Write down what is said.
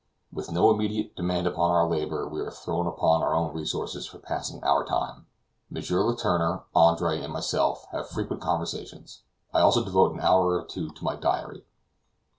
With no immediate demand upon our labor, we are thrown upon our own resources for passing our time. M. Letourneur, Andre, and myself, have frequent conversations; I also devote an hour or two to my diary.